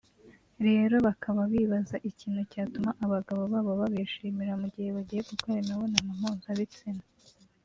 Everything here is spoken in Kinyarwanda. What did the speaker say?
rero bakaba bibaza ikintu cyatuma abagabo babo babishimira mu ghe bagiye gukora imibonano mpuzabitsina